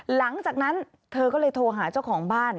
หลังจากนั้นเธอก็เลยโทรหาเจ้าของบ้าน